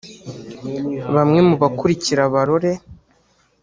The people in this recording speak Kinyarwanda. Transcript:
Bamwe mu bakurikira Barore